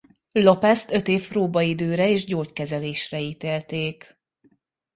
Lopest öt év próbaidőre és gyógykezelésre ítélték.